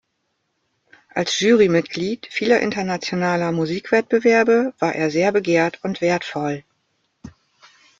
Als Jurymitglied vieler internationaler Musikwettbewerbe war er sehr begehrt und wertvoll.